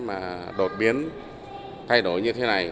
mà đột biến thay đổi như thế này